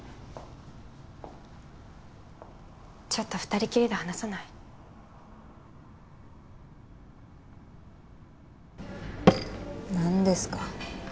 ちょっと２人きりで話さない？なんですか？